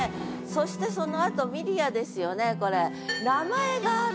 そしてそのあと「ミリア」ですよねこれ。